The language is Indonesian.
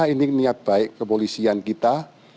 ini niat baik kepolisian kita